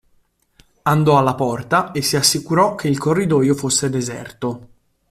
Andò alla porta e si assicurò che il corridoio fosse deserto.